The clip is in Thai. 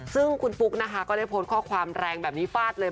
ซึ่งคุณปุ๊กนะคะก็ได้โพสต์ข้อความแรงแบบนี้ฟาดเลย